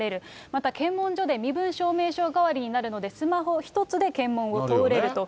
また検問所で身分証明書代わりになるので、スマホ一つで検問を通れると。